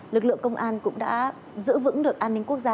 lực lượng công an cũng đã giữ vững được an ninh quốc gia